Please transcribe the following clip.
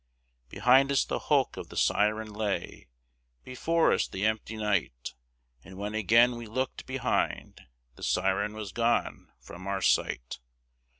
Behind us the hulk of the Siren lay, Before us the empty night; And when again we looked behind The Siren was gone from our sight.